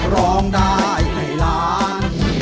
ร้องได้ให้ล้าน